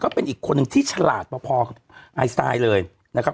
เป็นอีกคนหนึ่งที่ฉลาดพอกับไอสไตล์เลยนะครับ